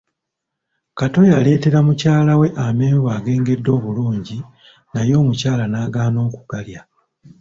Kato yaletera mukyala we amenvu agengedde obulungi naye omukyala n'agaana okugalya.